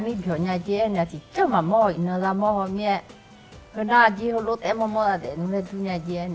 มีความสุขที่สุขในชีวิตของป้า